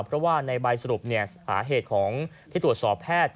เพราะว่าในใบสรุปสาเหตุของที่ตรวจสอบแพทย์